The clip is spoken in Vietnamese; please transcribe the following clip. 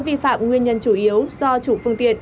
vi phạm nguyên nhân chủ yếu do chủ phương tiện